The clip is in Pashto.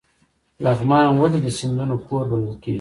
لغمان ولې د سیندونو کور بلل کیږي؟